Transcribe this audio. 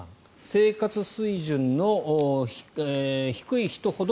生活水準の低い人ほど